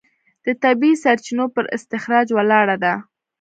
د طبیعي سرچینو پر استخراج ولاړه ده.